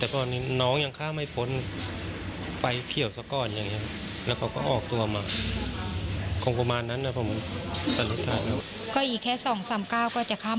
ก็อีกแค่สองสามก้าวก็จะข้าม